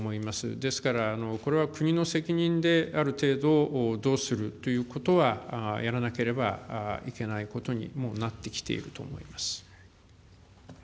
ですからこれは国の責任で、ある程度、どうするということは、やらなければいけないことにもなってきていると思います。